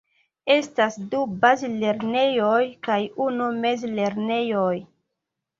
Estas du bazlernejoj kaj unu mezlernejo.